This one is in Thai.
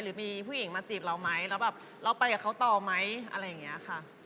หรือมีผู้หญิงมาจีบเราไหมแล้วแบบเราไปกับเขาต่อไหมอะไรอย่างนี้ค่ะ